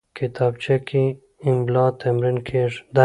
کتابچه کې املا تمرین کېږي